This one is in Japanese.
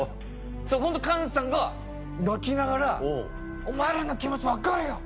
ホント菅さんが泣きながら「お前らの気持ち分かるよ。